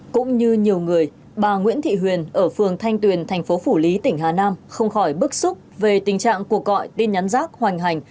cũng như nhiều người bà nguyễn thị huyền ở phường thanh tuyền thành phố phủ lý tỉnh hà nam không khỏi bức xúc về tình trạng cuộc gọi tin nhắn rác hoành hành